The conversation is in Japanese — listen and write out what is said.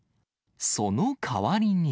そのかわりに。